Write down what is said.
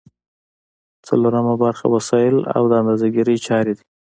څلورمه برخه وسایل او د اندازه ګیری چارې دي.